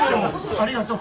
ありがとう。